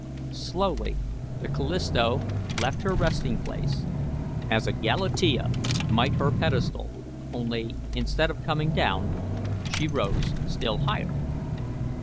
Slowly the Callisto left her resting place as a Galatea might her pedestal, only, instead of coming down, she rose still higher.